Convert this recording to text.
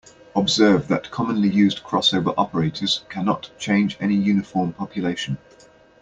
Observe that commonly used crossover operators cannot change any uniform population.